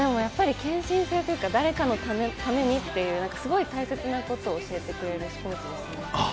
やっぱり、誰かのためにっていう、すごい大切なことを教えてくれるスポーツですね。